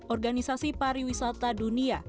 organisasi pariwisata dunia